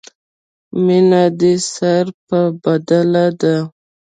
مینه دې سر په بدله ده.